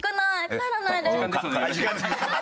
帰らないで。